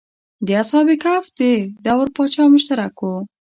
د اصحاب کهف د دور پاچا مشرک و.